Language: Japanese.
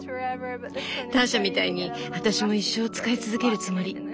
ターシャみたいに私も一生使い続けるつもり。